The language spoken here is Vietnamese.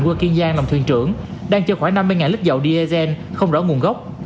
vua kiên giang làm thuyền trưởng đang chở khoảng năm mươi lít dầu diesel không rõ nguồn gốc